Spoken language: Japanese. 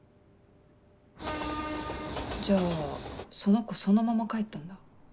じゃあその子そのまま帰ったんだ？